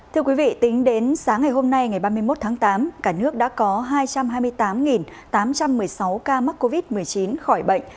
thưa quý vị tính đến sáng ngày hôm nay ngày ba mươi một tháng tám cả nước đã có hai trăm hai mươi tám tám trăm một mươi sáu ca mắc covid một mươi chín khỏi bệnh